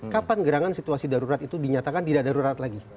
kapan gerangan situasi darurat itu dinyatakan tidak darurat lagi